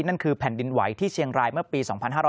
นั่นคือแผ่นดินไหวที่เชียงรายเมื่อปี๒๕๕๙